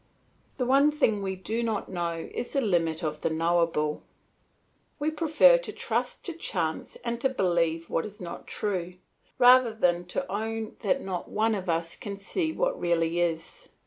The one thing we do not know is the limit of the knowable. We prefer to trust to chance and to believe what is not true, rather than to own that not one of us can see what really is.